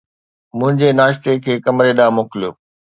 منهنجي ناشتي کي ڪمري ڏانهن موڪليو